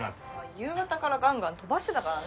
・夕方からガンガン飛ばしてたからね・